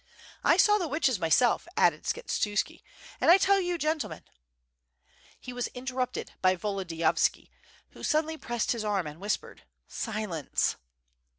"I saw the witches myself," added Skshetuski, "and I tell you, gentlemen ^" He was interrupted by Volodiyovski, who suddenly pressed his arm and whispered: "Silence!"